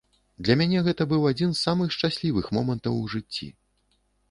Для мяне гэта быў адзін з самых шчаслівых момантаў у жыцці.